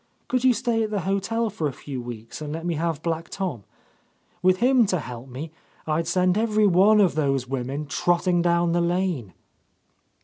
Could you stay at the hotel for a few weeks, and let me have Black Tom? With him to help me, I'd send every one of those women trotting down the lane."